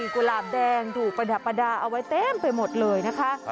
กุหลาบแดงถูกประดับประดาษเอาไว้เต็มไปหมดเลยนะคะ